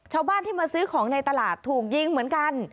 ชาวบ้านที่มาซื้อของในตลาดถูกยิงเหมือนกัน